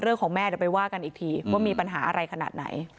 เรื่องของแม่เดี๋ยวไปว่ากันอีกทีว่ามีปัญหาอะไรขนาดไหน